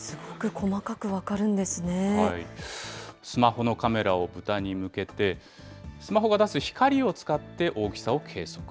スマホのカメラを豚に向けて、スマホが出す光を使って大きさを計測。